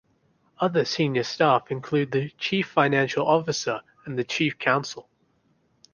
Other senior staff include the chief financial officer and the Chief Counsel.